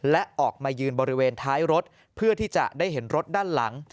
และออกมายืนบริเวณท้ายรถเพื่อที่จะได้เห็นรถด้านหลัง